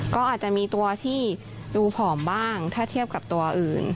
ก็อาจจะมีตัวที่ดูผอมบ้างถ้าเทียบกับตัวอื่น